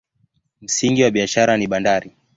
Msingi wa biashara ni bandari.